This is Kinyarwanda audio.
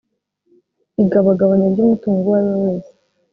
igabagabanya ry umutungo uwo ari we wese